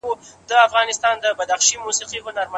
یو منظم مهالویش د ټیم فشار کموي او پرمختګ اسانه کوي.